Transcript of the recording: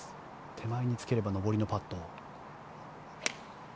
手前につければ上りのパット。